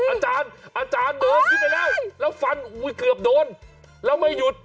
อาจารย์อาจารย์เดินขึ้นไปแล้วแล้วฟันเกือบโดนแล้วไม่หยุด